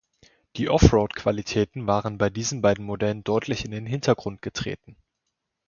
Die Offroad-Qualitäten waren bei diesen beiden Modellen deutlich in den Hintergrund getreten.